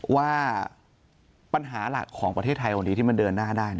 ว่าปัญหาหลักของประเทศไทยวันนี้ที่มันเดินหน้าได้